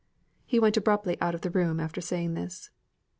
He went abruptly out of the room after saying this.